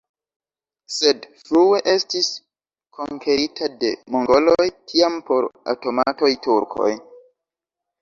Sed frue estis konkerita de mongoloj, tiam por otomanaj turkoj.